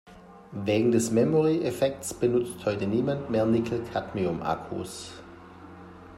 Wegen des Memory-Effekts benutzt heute niemand mehr Nickel-Cadmium-Akkus.